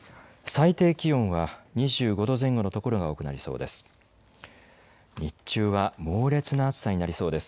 最低気温は２５度前後の所が多くなりそうです。